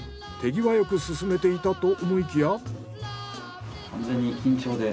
手際よく進めていたと思いきや。